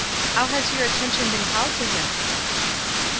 How has your attention been called to him?"